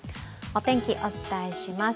お天気、お伝えします。